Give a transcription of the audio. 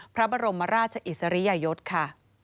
พระบรมราชอิสริยยศค่ะ